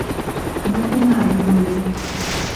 Мый понарым кондем.